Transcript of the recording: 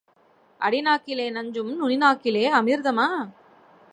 அடி நாக்கிலே நஞ்சும், நுனி நாக்கிலே அமிர்தமா?